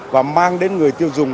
và mang đến người tiêu dùng